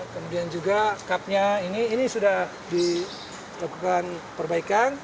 kemudian juga cupnya ini ini sudah dilakukan perbaikan